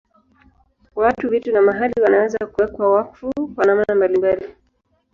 Watu, vitu na mahali wanaweza kuwekwa wakfu kwa namna mbalimbali.